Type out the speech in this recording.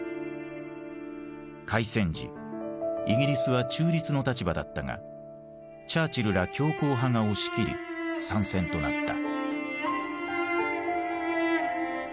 開戦時イギリスは中立の立場だったがチャーチルら強硬派が押し切り参戦となった。